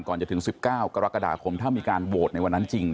ก่อนจะถึง๑๙กรกฎาคมถ้ามีการโหวตในวันนั้นจริง